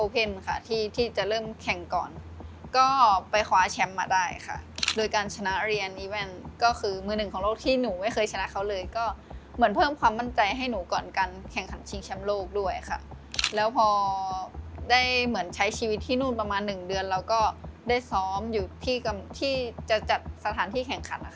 ประมาณ๑เดือนแล้วก็ได้ซ้อมอยู่ที่จะจัดสถานที่แข่งขัน